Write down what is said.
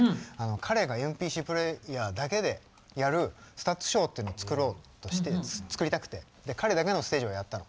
彼がＭＰＣプレーヤーだけでやるＳＴＵＴＳショーっていうのを作ろうとして作りたくて彼だけのステージをやったの。